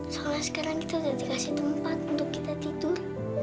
soalnya sekarang kita sudah dikasih tempat untuk kita tidur